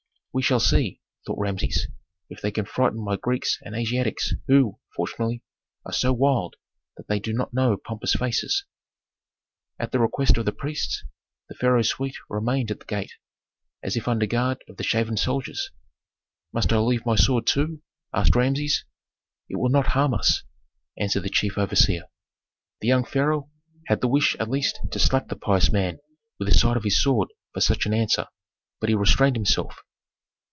"We shall see," thought Rameses, "if they can frighten my Greeks and Asiatics, who, fortunately, are so wild that they do not know pompous faces." At the request of the priests, the pharaoh's suite remained at the gate, as if under guard of the shaven soldiers. "Must I leave my sword too?" asked Rameses. "It will not harm us," answered the chief overseer. The young pharaoh had the wish at least to slap the pious man with the side of his sword for such an answer, but he restrained himself.